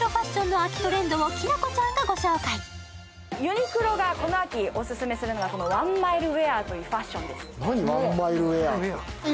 ユニクロがこの秋オススメするのがこのワンマイルウェアというファッションです。